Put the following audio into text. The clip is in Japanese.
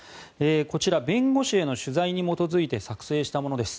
こちら、弁護士への取材に基づいて作成したものです。